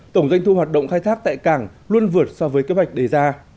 tổng doanh thu hoạt động khai thác tại cảng luôn vượt so với kế hoạch đề ra